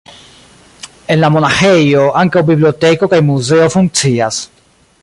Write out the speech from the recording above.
En la monaĥejo ankaŭ biblioteko kaj muzeo funkcias.